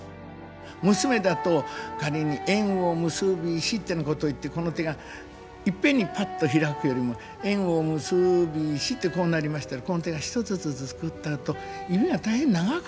娘だと仮に「縁を結びし」ってなこと言ってこの手がいっぺんにパッと開くよりも「縁を結びし」ってこうなりましたらこの手が一つずつ作ったあと指が大変長く感じる。